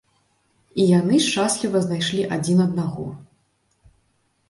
І яны шчасліва знайшлі адзін аднаго.